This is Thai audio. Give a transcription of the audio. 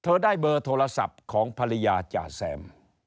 เธอได้เบอร์โทรศัพท์ของภรรยาจ่าแซม